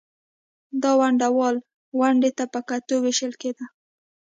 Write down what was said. دا د ونډه وال ونډې ته په کتو وېشل کېده